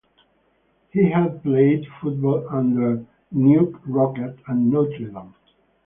He had played football under Knute Rockne at Notre Dame.